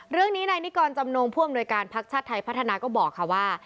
เรื่องนี้นายนิกรจำนงผู้อำนวยการพักชาติไทยพัฒนาก็บอกค่ะว่า